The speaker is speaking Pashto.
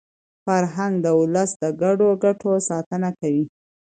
فرهنګ د ولس د ګډو ګټو ساتنه کوي.